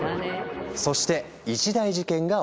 そして一大事件が起きる。